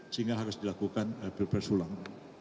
sehingga harus dilakukan pilpres ulang